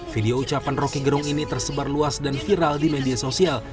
video ucapan roky gerung ini tersebar luas dan viral di media sosial